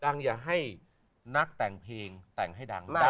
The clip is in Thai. อย่าให้นักแต่งเพลงแต่งให้ดัง